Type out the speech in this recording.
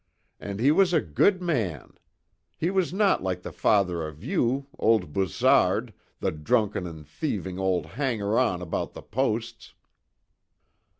And he was a good man. He was not like the father of you, old Boussard, the drunken and thieving old hanger on about the posts!"